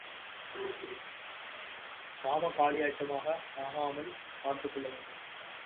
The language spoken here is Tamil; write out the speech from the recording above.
காமக்களியாட்டமாக ஆகாமல் பார்த்துக் கொள்ளவேண்டும்.